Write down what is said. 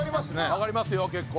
上がりますよ結構。